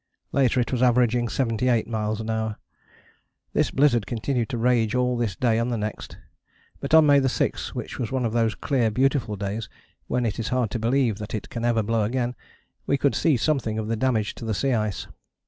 Later it was averaging 78 miles an hour. This blizzard continued to rage all this day and the next, but on May 6, which was one of those clear beautiful days when it is hard to believe that it can ever blow again, we could see something of the damage to the sea ice.